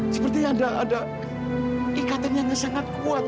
seperti ada ikatan yang sangat kuat